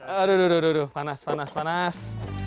aduh aduh panas panas panas